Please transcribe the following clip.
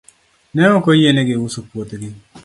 Ne ok oyienegi uso puothgi.